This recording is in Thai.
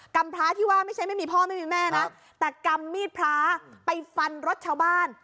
กรรมพระที่ว่าไม่ใช่ไม่มีพ่อไม่มีแม่นะแต่กำมีดพระไปฟันรถชาวบ้าน